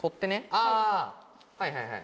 あはいはい。